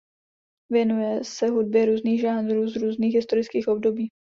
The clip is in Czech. Věnuje se hudbě různých žánrů z různých historických období.